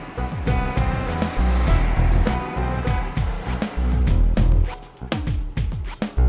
yang terakhir udyoso pifier siap patah